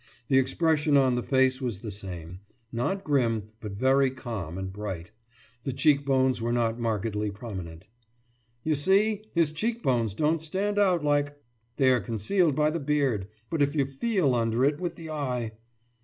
The expression on the face was the same. Not grim, but very calm and bright. The cheekbones were not markedly prominent. »You see! His cheekbones don't stand out like....« »They are concealed by the beard, but if you feel under it with the eye....